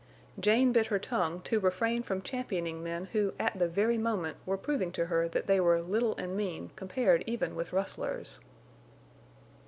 Jane bit her tongue to refrain from championing men who at the very moment were proving to her that they were little and mean compared even with rustlers.